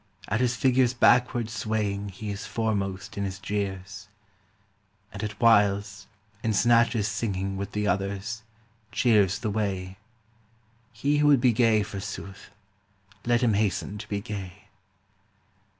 At his figure's backward swaying He is foremost in his jeers ; And at whiles, in snatches singing With the others, cheers the way : He who would be gay, forsooth. Let him hasten to be gay.